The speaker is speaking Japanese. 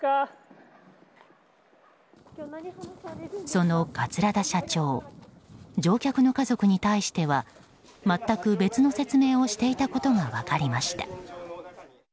その桂田社長乗客の家族に対しては全く別の説明をしていたことが分かりました。